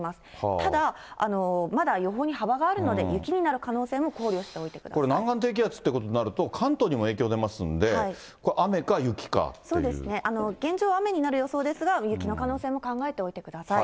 ただ、まだ予報に幅があるので、雪になる可能性も考慮しておいて南岸低気圧ということになると、関東にも影響出ますんで、これ、現状、雨になる予想ですが、雪の可能性も考えておいてください。